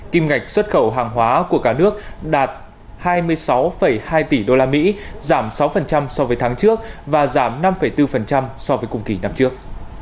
kim ngạch xuất khẩu hàng hóa của cả nước đạt hai mươi sáu hai tỷ usd giảm sáu so với tháng trước và giảm năm bốn so với cùng kỳ năm trước